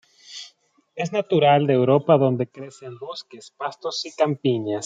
Es natural de Europa donde crece en bosques, pastos y campiñas.